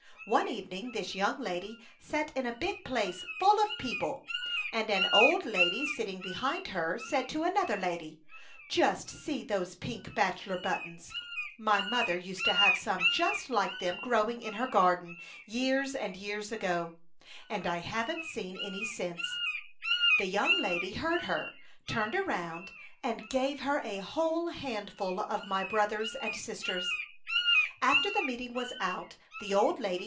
One evening this young lady sat in a big place full of people, and an old lady sitting behind her said to another lady, 'Just see those pink bachelor buttons ! My A Chautauqua Idyl. 23 mother used to have some just like them growing, in her garden, years and years ago, and I haven't seen any since/ The young lady heard her, turned around and gave her a whole handful of my brothers and sisters. After the meeting was out, the old lady.